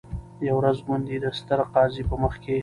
یوه ورځ ګوندي د ستر قاضي په مخ کي